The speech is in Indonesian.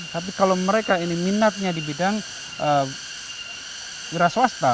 tapi kalau mereka ini minatnya di bidang wira swasta